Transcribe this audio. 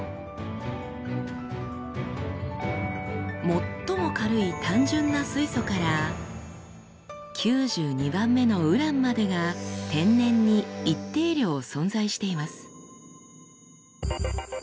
最も軽い単純な水素から９２番目のウランまでが天然に一定量存在しています。